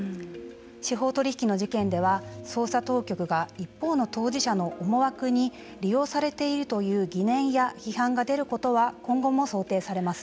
司法取引の事件では捜査当局が一方の当事者の思惑に利用されているという疑念や批判が出ることは今後も想定されます。